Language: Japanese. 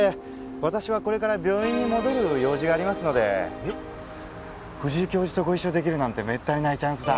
私はこれから病院に戻る用事がありますので藤井教授とご一緒できるなんてめったにないチャンスだ